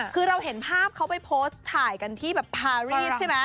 คือเราเห็นภาพเขาไปโพสต์ถ่ายกันที่แบบพารีสใช่ไหม